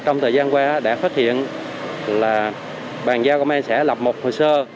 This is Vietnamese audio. trong thời gian qua đã phát hiện là bàn giao công an xã lập một hồ sơ